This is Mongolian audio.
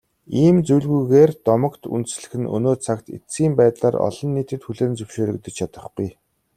Ийм зүйлгүйгээр домогт үндэслэх нь өнөө цагт эцсийн байдлаар олон нийтэд хүлээн зөвшөөрөгдөж чадахгүй.